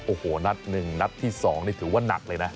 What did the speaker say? โอ้โหนัด๑นัดที่๒นี่ถือว่าหนักเลยนะ